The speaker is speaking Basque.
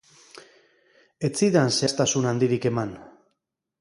Ez zidan zehaztasun handirik eman.